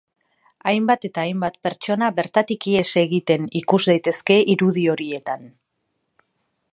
Hainbat eta hainbat pertsona bertatik ihes egiten ikus daitezke irudi horietan.